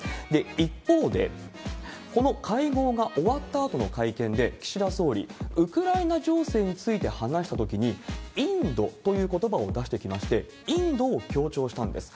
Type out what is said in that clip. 一方で、この会合が終わったあとの会見で、岸田総理、ウクライナ情勢について話したときに、インドということばを出してきまして、インドを強調したんです。